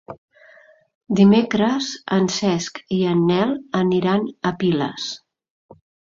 Dimecres en Cesc i en Nel aniran a Piles.